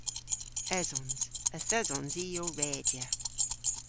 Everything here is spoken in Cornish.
Esons. Yth esons i ow redya.